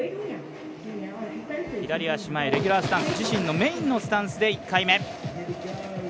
左足前、レギュラースタンス自身のメインのスタンスで１回目。